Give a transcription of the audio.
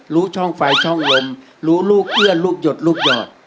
รู้ช่องไฟช่องลมรู้ลูกเอื้อนลูกหยดลูกหยอด